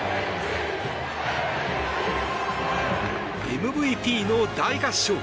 ＭＶＰの大合唱。